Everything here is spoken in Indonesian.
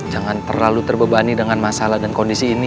jangan terlalu terbebani dengan masalah dan kondisi ini